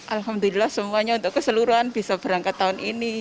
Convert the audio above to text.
alhamdulillah semuanya untuk keseluruhan bisa berangkat tahun ini